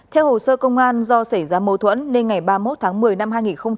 theo hồ sơ công an do xảy ra mâu thuẫn nên ngày ba mươi một tháng một mươi năm hai nghìn hai mươi ba